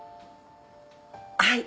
はい。